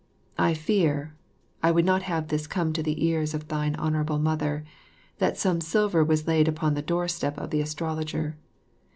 I fear (I would not have this come to the ears of thine Honourable Mother) that some silver was left upon the doorstep of the astrologer.